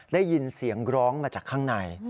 ได้ยินเสียงร้องมาจากข้างใน